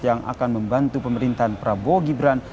yang akan membantu pemerintahan prabowo gibran